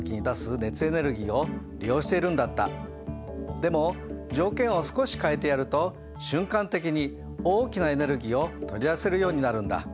でも条件を少し変えてやると瞬間的に大きなエネルギーを取り出せるようになるんだ。